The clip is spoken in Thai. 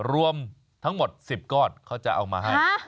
รวมทั้งหมด๑๐ก้อนเขาจะเอามาให้